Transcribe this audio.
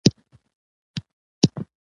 نشنلیزم افراطی به بالاخره او را هلاک کړي.